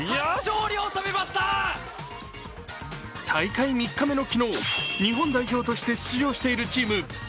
大会３日目の昨日、日本代表として出場しているチーム